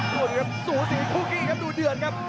ดูสิครับสูสีคู่กี้ครับดูเดือดครับ